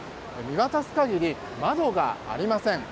見渡す限り窓がありません。